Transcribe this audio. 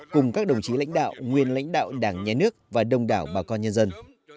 cùng các đồng chí lãnh đạo nguyên lãnh đạo đảng nhé nước và đồng đảo bà con nhân dân